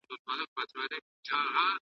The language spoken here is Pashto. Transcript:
ما د جهاني په لاس امېل درته پېیلی وو `